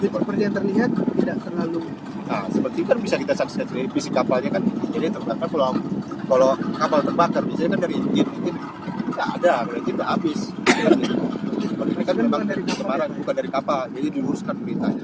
kondisi teluk balikpapan telah dilakukan oleh kondisi teluk balikpapan